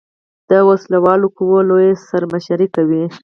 د وسله والو قواؤ لویه سر مشري کوي.